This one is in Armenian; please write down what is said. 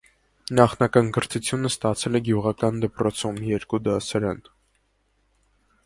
Նախնական կրթությունը ստացել է գյուղական դպրոցում (երկու դասարան)։